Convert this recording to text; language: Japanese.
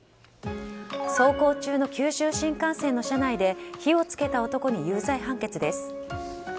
走行中の九州新幹線の車内で火を付けた男に有罪判決です。